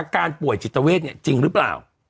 อาการป่วยจิตเวทเนี่ยจริงหรือเปล่า